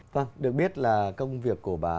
vâng được biết là công việc của bà